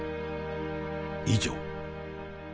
以上。